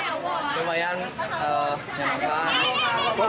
saya berharap semuanya yang berharap